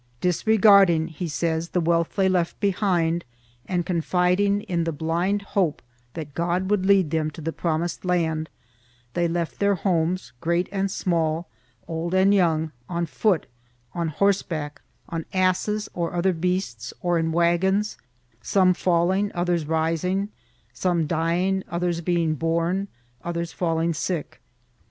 Dis regarding, he says, the wealth they left behind and confiding in the blind hope that God would lead them to the promised land, they left their homes, great and small, old and young, on foot, on horseback, on asses or other beasts or in wagons, some falling, others rising, some dying, others being born, others falling sick.